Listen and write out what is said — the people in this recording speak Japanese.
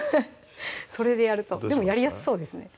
それでやるとでもやりやすそうですね